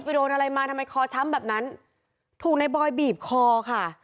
โดนอะไรมาทำไมคอช้ำแบบนั้นถูกในบอยบีบคอค่ะ